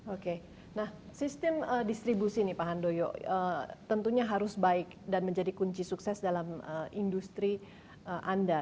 oke nah sistem distribusi nih pak handoyo tentunya harus baik dan menjadi kunci sukses dalam industri anda